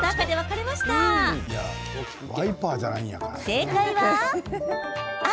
正解は赤。